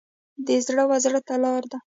د زړه و زړه لار ده.